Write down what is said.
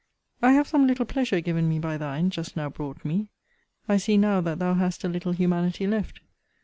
I have some little pleasure given me by thine, just now brought me. I see now that thou hast a little humanity left.